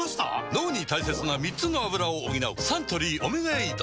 脳に大切な３つのアブラを補うサントリー「オメガエイド」